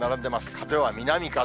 風は南風。